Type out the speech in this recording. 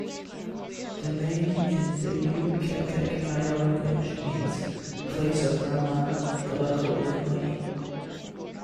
The name in the Yucatec Maya language means "Place of ramon, tobacco, and honey".